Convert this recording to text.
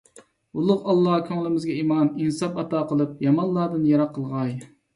ئۇلۇغ ئاللاھ كۆڭلىمىزگە ئىمان، ئىنساب ئاتا قىلىپ، يامانلاردىن يىراق قىلغاي!